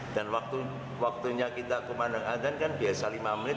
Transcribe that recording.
dan waktunya kita ke mandang adan kan biasa lima menit